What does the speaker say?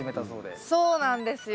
そうなんですよ。